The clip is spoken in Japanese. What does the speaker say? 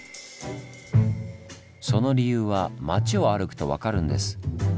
その理由は町を歩くと分かるんです。